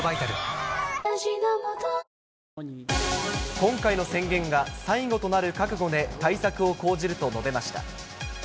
今回の宣言が最後となる覚悟で対策を講じると述べました。